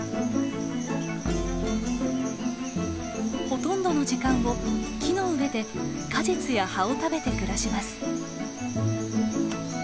ほとんどの時間を木の上で果実や葉を食べて暮らします。